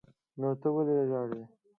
نو ته ولې ژاړې.